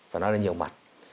và nó là nhiều mặt